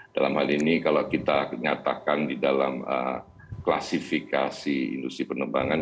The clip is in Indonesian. dalam hal ini kalau kita nyatakan di dalam klasifikasi industri penerbangan